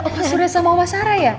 opa suri sama oma sarah ya